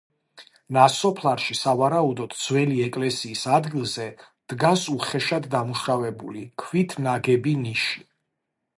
ნასოფლარში, სავარაუდოდ ძველი ეკლესიის ადგილზე დგას უხეშად დამუშავებული ქვით ნაგები ნიში.